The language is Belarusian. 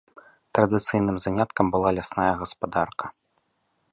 Традыцыйным заняткам была лясная гаспадарка.